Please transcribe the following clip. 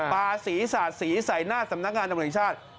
ปลาสีสาดสีใส่หน้าสำนักงานตำรวจแห่งชาติ